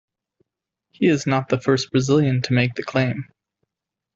He is not the first Brazilian to make the claim.